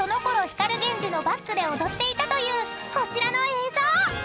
光ＧＥＮＪＩのバックで踊っていたというこちらの映像！］